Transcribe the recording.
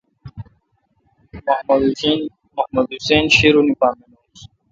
محمد حسین شیرونی پا مانوس۔